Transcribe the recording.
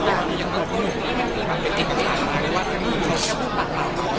อ่าไม่ได้